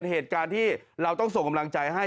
เหตุการณ์ที่เราต้องส่งกำลังใจให้